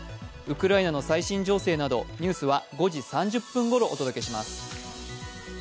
ウクライナの最新情勢などニュースは５時３０分頃お届けします。